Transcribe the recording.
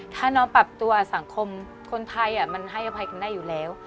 ถ้าน้องปรับตัวสังคมคนไทยมันให้อภัยกันได้อยู่แล้ว